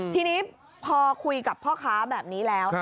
ทีนี้พอคุยกับพ่อค้าแบบนี้แล้ว